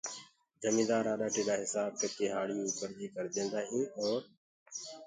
جميندآر آڏآ ٽيڏآ هسآب ڪرڪي هآݪيوڪو ڪرجي ڪرديندآ هين اور